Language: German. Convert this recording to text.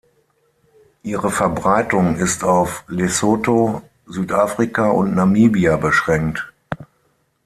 Ihre Verbreitung ist auf Lesotho, Südafrika und Namibia beschränkt.